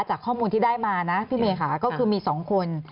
จากข้อมูลที่ได้มานะพี่เมค่ะก็คือมี๒คน